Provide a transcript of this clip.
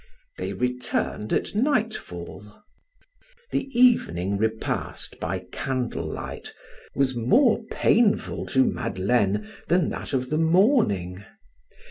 They returned at nightfall. The evening repast by candle light was more painful to Madeleine than that of the morning.